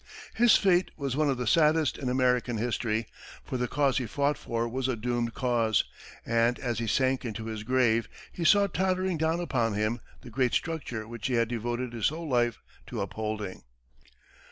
His fate was one of the saddest in American history, for the cause he fought for was a doomed cause, and as he sank into his grave, he saw tottering down upon him the great structure which he had devoted his whole life to upholding.